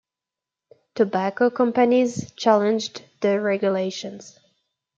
Tobacco companies challenged the regulations.